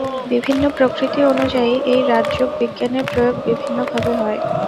বিভিন্ন প্রকৃতি অনুযায়ী এই রাজযোগ-বিজ্ঞানের প্রয়োগ বিভিন্নভাবে হয়।